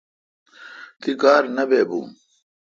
تی کار نہ بہ بو۔